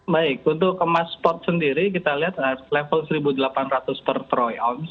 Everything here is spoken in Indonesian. baik untuk emas sport sendiri kita lihat level satu delapan ratus per troy ounce